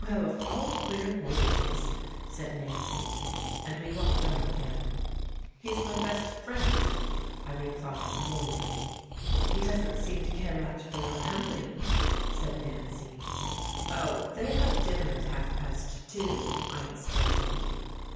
"Well, of all queer boys!" said Nancy, and we walked on again. "He's my best friend," I replied warmly. "He doesn't seem to care much for your company," said Nancy. "Oh, they have dinner at half past two," I explained.